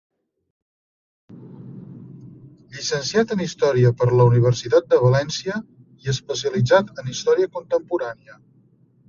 Llicenciat en història per la Universitat de València, i especialitzat en Història Contemporània.